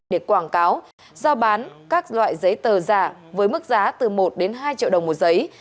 để quảng cáo giao bán các loại giấy tờ giả với mức giá từ một đến hai triệu đồng một giấy